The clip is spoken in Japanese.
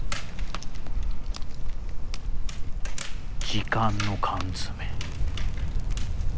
時間の缶詰。